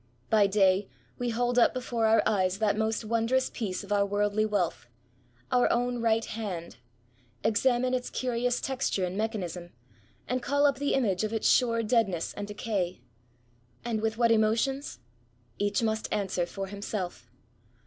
By day, we hold up before our eyes that most wondrous piece of our worldly wealth— our own right hand ; examine its curious texture and mechanism, and call up the image of its sure deadness and decay. And with what emotions ? Each must answer for himself.